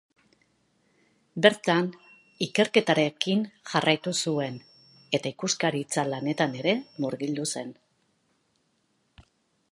Bertan, ikerketarekin jarraitu zuen eta ikuskaritza lanetan ere murgildu zen.